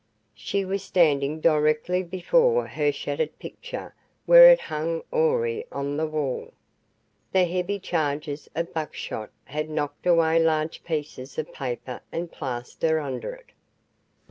She was standing directly before her shattered picture where it hung awry on the wall. The heavy charges of buckshot had knocked away large pieces of paper and plaster under it.